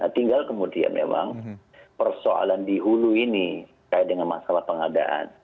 tinggal kemudian memang persoalan di hulu ini kait dengan masalah pengadaan